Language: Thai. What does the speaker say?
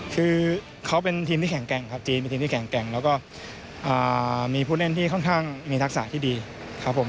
คือเขาเป็นทีมที่แข็งแกร่งครับจีนเป็นทีมที่แข็งแกร่งแล้วก็มีผู้เล่นที่ค่อนข้างมีทักษะที่ดีครับผม